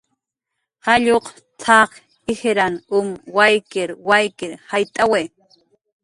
"jalluq t""ak ijran um waykir waykir jayt'awi"